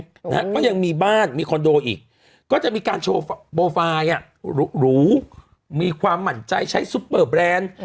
นะฮะก็ยังมีบ้านมีคอนโดอีกก็จะมีการโชว์โปรไฟล์อ่ะหรูมีความหมั่นใจใช้ซุปเปอร์แบรนด์